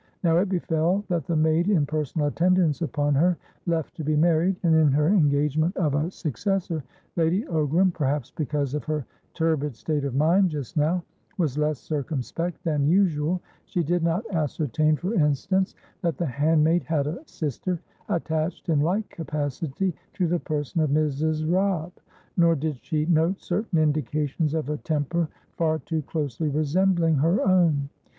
Now it befell that the maid in personal attendance upon her left to be married, and in her engagement of a successor Lady Ogram (perhaps because of her turbid state of mind just now) was less circumspect than usual; she did not ascertain, for instance, that the handmaid had a sister attached in like capacity to the person of Mrs. Robb, nor did she note certain indications of a temper far too closely resembling her own.